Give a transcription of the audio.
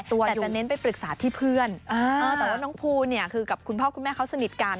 แต่จะเน้นไปปรึกษาที่เพื่อนแต่ว่าน้องภูเนี่ยคือกับคุณพ่อคุณแม่เขาสนิทกัน